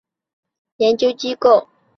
姓名职业与研究机构